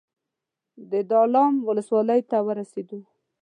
د دلارام ولسوالۍ ته ورسېدو.